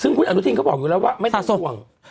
ซึ่งคุณอนุทินเขาบอกอยู่แล้วว่าไม่สัดส่วน